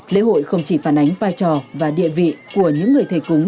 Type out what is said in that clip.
lễ hội không chỉ phản ánh vai trò và địa vị của những người thầy cúng